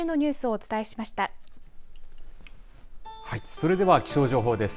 それでは気象情報です。